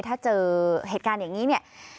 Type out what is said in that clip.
ถ้าเจอเหตุการณ์อย่างนี้